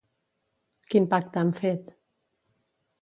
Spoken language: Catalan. Quin pacte han fet?